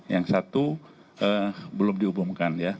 yang satu belum diumumkan ya